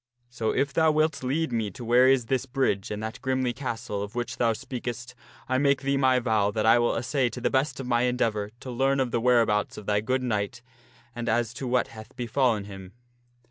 So, if thou wilt lead me to where advent j s this bridge and that grimly castle of which thou speakest, I make thee my vow that I will assay to the best of my en fuiiady. deavor to learn of the whereabouts of thy good knight, and as to what hath befallen him."